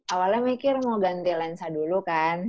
awalnya mikir mau ganti lensa dulu kan